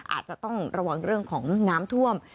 อาจจะต้องระวังเรื่องของน้ำท่วม